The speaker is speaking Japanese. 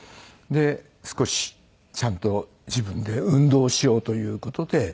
で少しちゃんと自分で運動しようという事で。